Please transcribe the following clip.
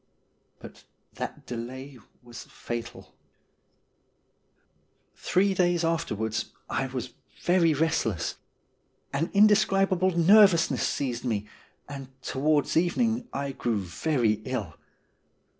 But that delay was fatal. Three days afterwards I was very restless. An indescribable nervousness seized me, and towards evening I grew very ill.